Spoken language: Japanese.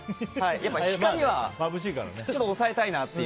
光は抑えたいなっていう。